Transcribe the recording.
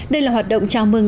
đây là hoạt động chào mừng